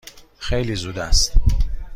خیلی زود است.